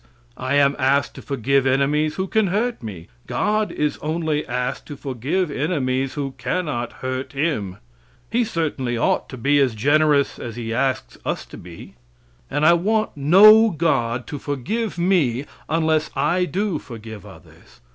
I am asked to forgive enemies who can hurt me. God is only asked to forgive enemies who cannot hurt Him. He certainly ought to be as generous as He asks us to be. And I want no God to forgive me unless I do forgive others.